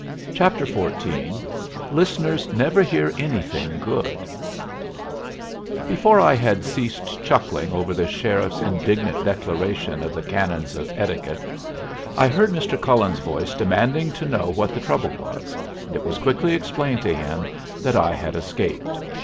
CHAPTER XIV "LISTENERS NEVER HEAR ANYTHING GOOD" Before I had ceased chuckling over the sheriff's indignant declaration of the canons of etiquette, I heard Mr. Cullen's voice demanding to know what the trouble was, and it was quickly explained to him that I had escaped.